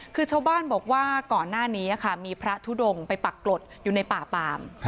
คือชาวบ้านบอกว่าก่อนหน้านี้ค่ะมีพระทุดงไปปรากฏอยู่ในป่าปาม